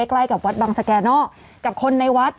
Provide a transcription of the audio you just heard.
ใกล้กับวัดบังสแก่นอกกับคนในวัด